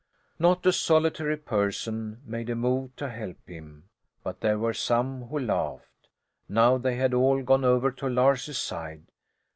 Not a solitary person made a move to help him, but there were some who laughed. Now they had all gone over to Lars's side.